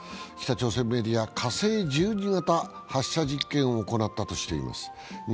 北朝鮮メディア、火星１２型発射実験を行ったとしています。